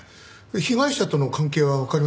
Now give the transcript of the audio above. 被害者との関係はわかりましたか？